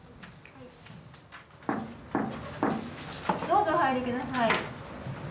どうぞお入りください。